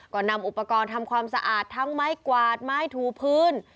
ก็นำอุปกรณ์ทำความสะอาดทั้งไม้กวาดไม้ถูพื้น